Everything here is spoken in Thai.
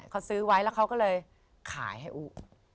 เขาซื้อไว้แล้วเขาก็เลยขายให้อุ